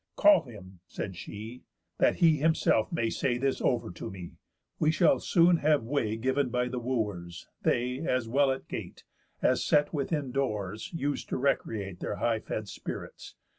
"Call him," said she, "that he himself may say This over to me. We shall soon have way Giv'n by the Wooers; they, as well at gate, As set within doors, use to recreate Their high fed spirits.